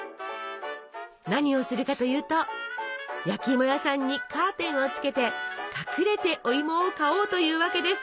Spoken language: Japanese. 何をするかというと焼きいも屋さんにカーテンをつけて隠れておいもを買おうというわけです。